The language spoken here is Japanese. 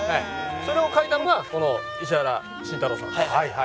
それを書いたのがこの石原慎太郎さんですね。